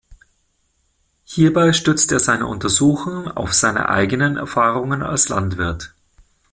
Hierbei stützt er seine Untersuchungen auf seine eigenen Erfahrungen als Landwirt.